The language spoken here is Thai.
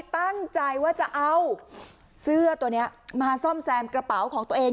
ตั้งใจว่าจะเอาเสื้อตัวนี้มาซ่อมแซมกระเป๋าของตัวเอง